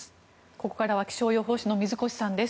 ここからは気象予報士の水越さんです。